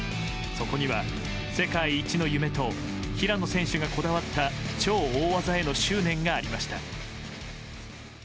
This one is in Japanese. そこには世界一の夢と平野選手がこだわった超大技への執念がありました。